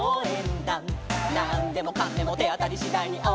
「なんでもかんでもてあたりしだいにおうえんだ！！」